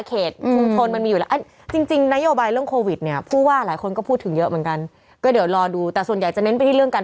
เขาเป็นเน็ตไอดอลอยู่แล้วเรา